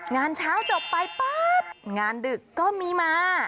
งานเช้าจบไปปั๊บงานดึกก็มีมา